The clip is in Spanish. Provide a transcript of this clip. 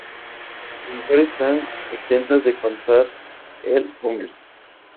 Las mujeres están exentas de contar el Omer.